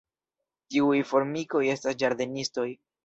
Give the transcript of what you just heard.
Tiuj formikoj estas ĝardenistoj.